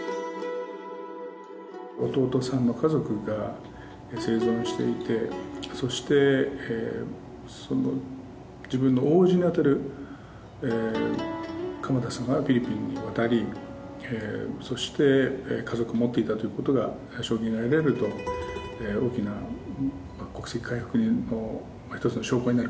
弟さんの家族が生存していてそして自分の大伯父にあたる蒲太さんがフィリピンに渡りそして家族を持っていたということが証言が得られると大きな国籍回復の一つの証拠になるかなと。